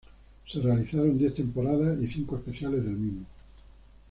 Se realizaron diez temporadas y cinco especiales del mismo.